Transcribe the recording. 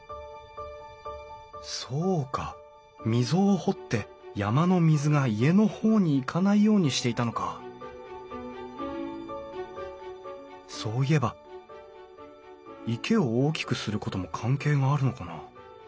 そうか溝を掘って山の水が家の方に行かないようにしていたのかそういえば池を大きくすることも関係があるのかな？